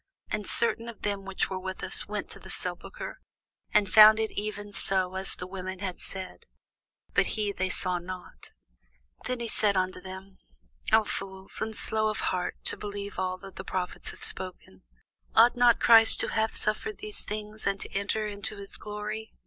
And certain of them which were with us went to the sepulchre, and found it even so as the women had said: but him they saw not. [Sidenote: St. Luke 24] Then he said unto them, O fools, and slow of heart to believe all that the prophets have spoken: ought not Christ to have suffered these things, and to enter into his glory?